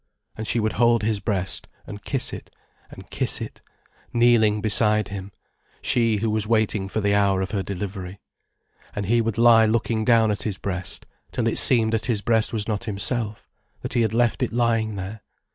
And she would hold his breast, and kiss it, and kiss it, kneeling beside him, she who was waiting for the hour of her delivery. And he would lie looking down at his breast, till it seemed that his breast was not himself, that he had left it lying there.